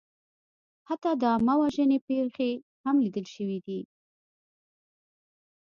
حتی د عامهوژنې پېښې هم لیدل شوې دي.